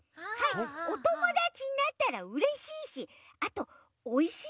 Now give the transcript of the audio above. おともだちになったらうれしいしあとおいしいですしね。